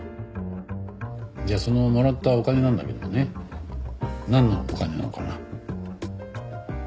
じゃあそのもらったお金なんだけどもねなんのお金なのかな？